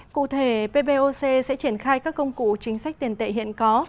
cụ thể pboc sẽ triển khai các công cụ chính sách tiền tệ hiện có